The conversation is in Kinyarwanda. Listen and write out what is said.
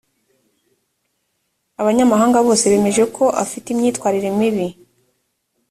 abanyamuryango bose bemeje ko afite imyitwarire mibi